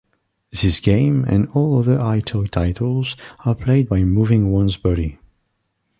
This game, and all other EyeToy titles, are played by moving one's body.